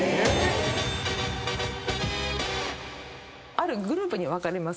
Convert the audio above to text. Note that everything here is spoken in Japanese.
あるグループに分かれます。